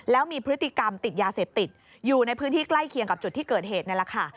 แล้วมีพฤติกรรมติดยาเสพติดอยู่ในพื้นที่ใกล้เคียงกับจุดที่เกิดเหตุนั่นแหละค่ะ